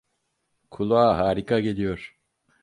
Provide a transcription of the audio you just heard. Kulağa harika geliyor.